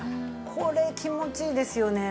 これ気持ちいいですよね。